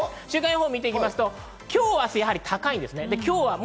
週間予報見ていきますと、今日・明日高いですね。